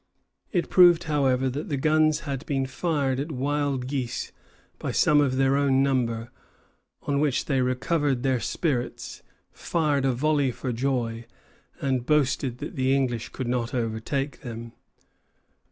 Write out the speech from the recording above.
It proved, however, that the guns had been fired at wild geese by some of their own number; on which they recovered their spirits, fired a volley for joy, and boasted that the English could not overtake them.